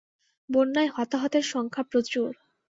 বন্যায় হতাহতের সংখ্যা প্রচুর।